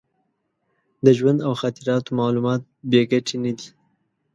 د ژوند او خاطراتو معلومات بې ګټې نه دي.